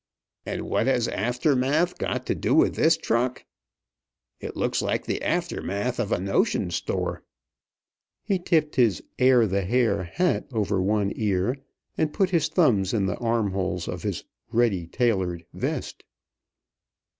"And what has aftermath got to do with this truck? It looks like the aftermath of a notion store." He tipped his "Air the Hair" hat over one ear, and put his thumbs in the armholes of his "ready tailored" vest.